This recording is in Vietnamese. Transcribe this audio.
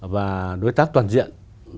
và đối tác toàn diện